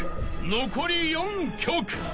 残り４曲］